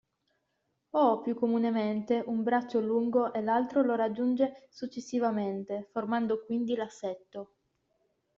O, più comunemente, un braccio lungo e l'altro lo raggiunge successivamente, formando quindi l'assetto.